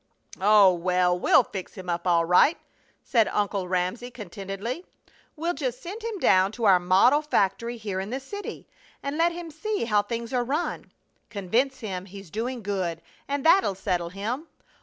"Oh, well, we'll fix him up all right!" said Uncle Ramsey, contentedly. "We'll just send him down to our model factory here in the city and let him see how things are run. Convince him he's doing good, and that'll settle him!